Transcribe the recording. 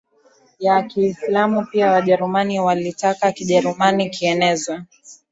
ya Kiislamu Pia Wajerumani walitaka Kijerumani kienezwe